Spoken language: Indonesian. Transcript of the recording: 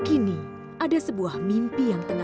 ini apa viva tunggas ini